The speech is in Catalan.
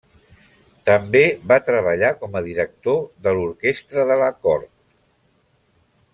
També va treballar com a director de l'orquestra de la cort.